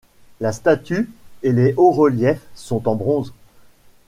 La statue et les haut-reliefs sont en bronze.